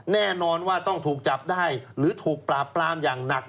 แน่นอนว่าต้องถูกจับได้หรือถูกปราบปรามอย่างหนัก